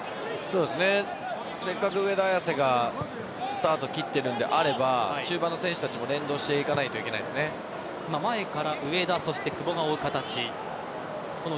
せっかく上田綺世がスタートを切っているのであれば中盤の選手たちも連動していかないと前から上田、久保が追う形。